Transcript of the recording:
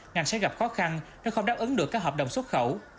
ngành sẽ gặp khó khăn nếu không đáp ứng được các hợp đồng xuất khẩu